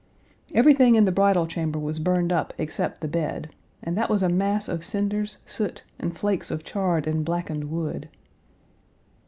Everything in the bridal chamber was burned up except the bed, and that was a mass of cinders, soot, and flakes of charred and blackened wood.